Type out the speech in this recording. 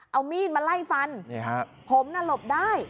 เอามีดมาไล่ฟันผมน่ะหลบได้